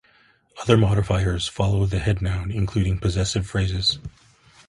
Other modifiers follow the head noun, including possessive phrases.